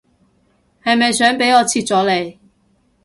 係咪想俾我切咗你